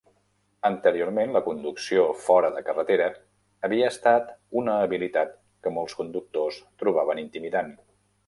Anteriorment, la conducció fora de carretera havia estat una habilitat que molts conductors trobaven intimidant.